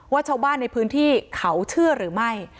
ว่าชาวบ้านในพื้นที่เขาเชื่อหรือไม่